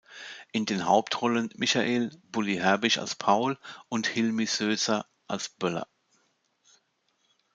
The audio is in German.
In den Hauptrollen Michael „Bully“ Herbig als Paul und Hilmi Sözer als Böller.